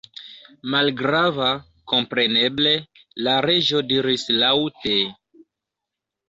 "Malgrava, kompreneble," la Reĝo diris laŭte.